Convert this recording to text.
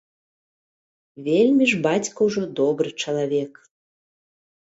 Вельмі ж бацька ўжо добры чалавек.